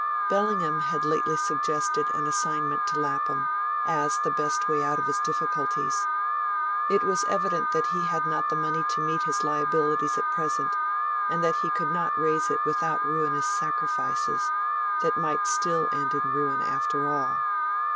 Bellingham had lately suggested an assignment to Lapham, as the best way out of his difficulties. It was evident that he had not the money to meet his liabilities at present, and that he could not raise it without ruinous sacrifices, that might still end in ruin after all.